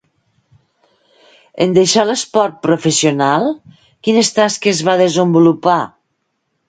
En deixar l'esport professional, quines tasques va desenvolupar?